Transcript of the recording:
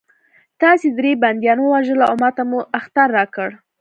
تاسې درې بندیان ووژل او ماته مو اخطار راکړ